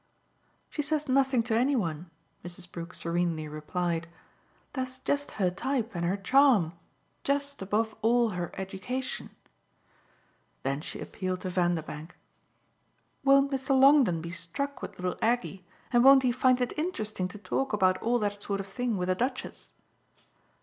"She says nothing to any one," Mrs. Brook serenely replied; "that's just her type and her charm just above all her education." Then she appealed to Vanderbank. "Won't Mr. Longdon be struck with little Aggie and won't he find it interesting to talk about all that sort of thing with the Duchess?"